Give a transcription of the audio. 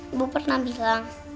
ibu pernah bilang